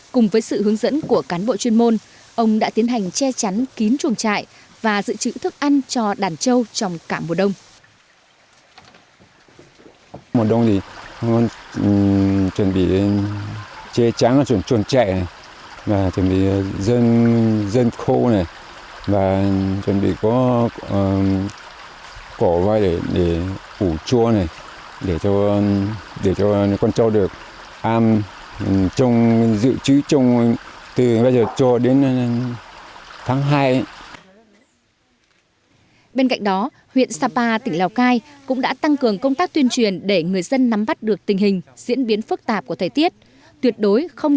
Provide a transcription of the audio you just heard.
cùng với sự hướng dẫn của cán bộ chuyên môn ông đã tiến hành che chắn kín chuồng trại và dự trữ thức ăn cho đàn trâu trong cả mùa đông